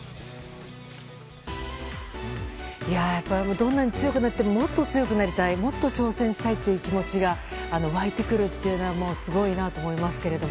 どんなに強くなってももっと強くなりたいもっと挑戦したいという気持ちが湧いてくるというのはすごいなと思いますけれども。